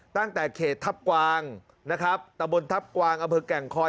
ตั้งแต่เขตทับกวางนะครับตะบนทัพกวางอำเภอแก่งคอย